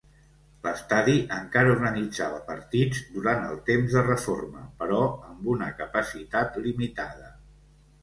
L'estadi encara organitzava partits durant el temps de reforma, però amb una capacitat limitada.